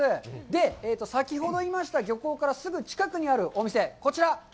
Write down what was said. で、先ほどいました漁港からすぐ近くにあるお店、こちら。